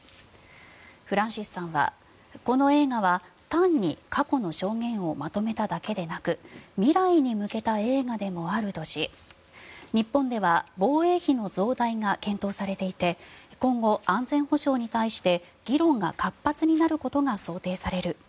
フランシスさんはこの映画は単に過去の証言をまとめただけでなく未来に向けた映画でもあるとし日本では防衛費の増大が検討されていて今後、安全保障に対して議論が活発になることが想定される。